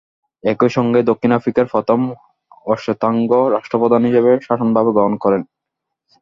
একই সঙ্গে দক্ষিণ আফ্রিকার প্রথম অশ্বেতাঙ্গ রাষ্ট্রপ্রধান হিসেবে শাসনভার গ্রহণ করেন।